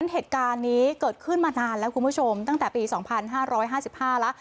เฮตการณ์นี้เกิดขึ้นมานานแล้วคุณผู้ชมตั้งแต่ปีสองพันห้าร้อยห้าสิบห้าละ